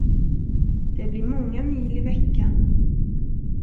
Det blir många mil i veckan.